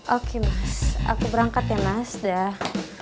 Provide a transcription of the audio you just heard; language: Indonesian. oke mas aku berangkat ya mas dah